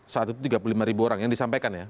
saat itu tiga puluh lima ribu orang yang disampaikan ya